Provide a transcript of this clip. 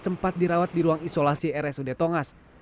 sempat dirawat di ruang isolasi rsud tongas